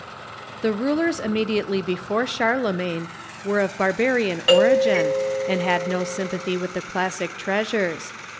] The rulers immediately before Charlemagne were of bar barian origin, and had no sympathy with the classic treasures.